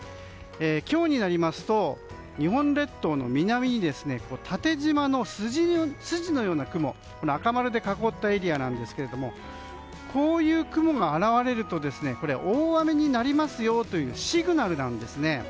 今日になりますと日本列島の南に縦じまの筋のような雲赤丸で囲ったエリアですがこういう雲が現れると大雨になりますよというシグナルなんですね。